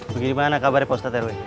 bagaimana kabarnya pak ustadz rw